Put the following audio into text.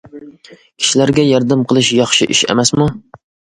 كىشىلەرگە ياردەم قىلىش ياخشى ئىش ئەمەسمۇ!